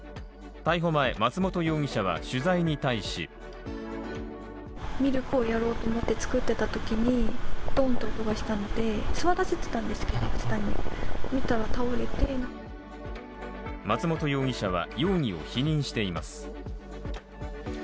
逮捕前、松本容疑者は取材に対し松本容疑者は容疑を否認しています。